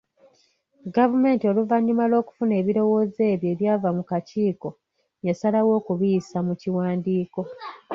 Gavumenti oluvannyuma lw'okufuna ebirowoozo ebyo ebyava mu kakiiko yasalawo okubiyisa mu kiwandiiko.